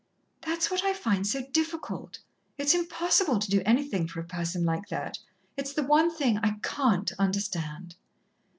"That's what I find so difficult! It's impossible to do anything for a person like that it's the one thing I can't understand."